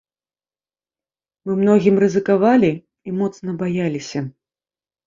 Мы многім рызыкавалі і моцна баяліся.